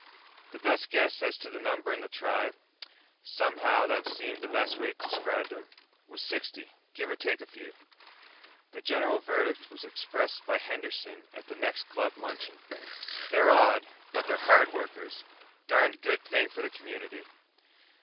The best guess as to the number in the tribe (somehow, that seemed the best way to describe them) was sixty, give or take a few. The general verdict was expressed by Henderson at the next club luncheon. "They're odd, but they're hard workers. Darned good thing for the community."